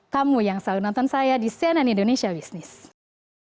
kamu yang selalu nonton saya di cnn indonesia business